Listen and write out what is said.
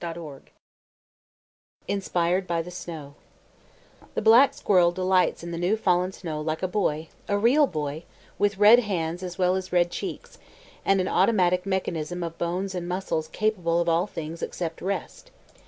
JEAN BLEWETT INSPIRED BY THE SNOW The black squirrel delights in the new fallen snow like a boy a real boy, with red hands as well as red cheeks, and an automatic mechanism of bones and muscles capable of all things except rest.